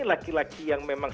laki laki yang memang